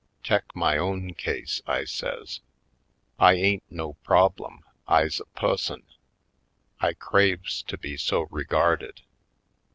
Tek my own case," I says. "I ain't no problem, I's a pusson. I craves to be so reguarded.